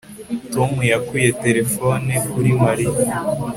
Tom yakuye terefone kuri Mariya